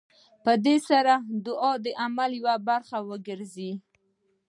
په دې سره دعا د عمل يوه برخه وګرځي.